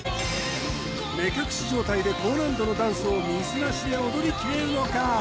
目隠し状態で高難度のダンスをミスなしで踊りきれるのか？